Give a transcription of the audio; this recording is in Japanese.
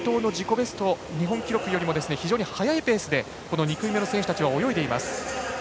ベスト日本記録よりも非常に速いペースで２組目の選手たちは泳いでいます。